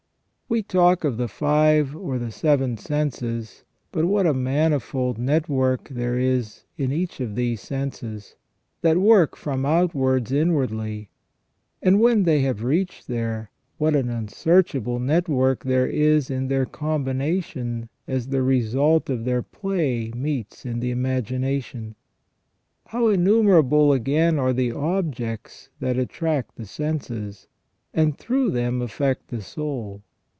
We talk of the five or the seven senses, but what a manifold network there is in each of these senses, that work from outwards inwardly, and when they have reached there, what an unsearchable network there is in their combination as the result of their play meets in the imagination. How innumerable, again, are the objects that attract the senses, and through them affect the soul